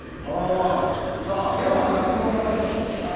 皆さんも脱毛はされてるんですか？